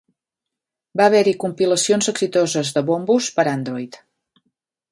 Va haver-hi compilacions exitoses de Bombus per a Android.